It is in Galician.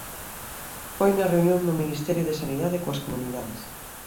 Foi na reunión do Ministerio de Sanidade coas comunidades.